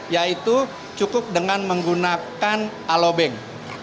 yaitu cukup dengan menggunakan alobank